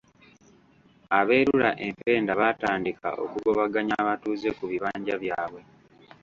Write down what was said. Abeerula empenda baatandika okugobaganya abatuuze ku bibanja byabwe